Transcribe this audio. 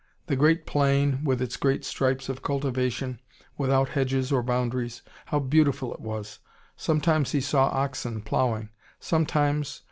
The great plain, with its great stripes of cultivation without hedges or boundaries how beautiful it was! Sometimes he saw oxen ploughing. Sometimes.